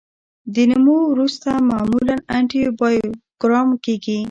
د نمو وروسته معمولا انټي بایوګرام کیږي.